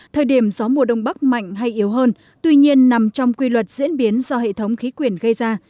thời điểm gió mùa đông bắc mạnh hay yếu hơn tuy nhiên nằm trong quy luật diễn biến do hệ thống khí quyển gây ra